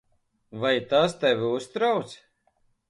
Vai tas tevi uztrauc?